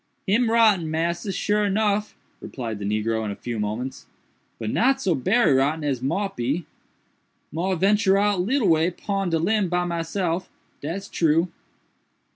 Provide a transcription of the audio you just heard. "Him rotten, massa, sure nuff," replied the negro in a few moments, "but not so berry rotten as mought be. Mought ventur out leetle way pon de limb by myself, dat's true."